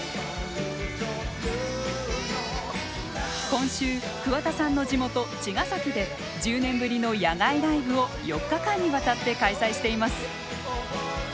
今週桑田さんの地元・茅ヶ崎で１０年ぶりの野外ライブを４日間にわたって開催しています。